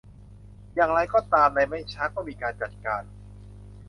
อย่างไรก็ตามในไม่ช้าก็มีการจัดการ